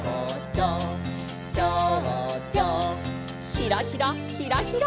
ひらひらひらひら。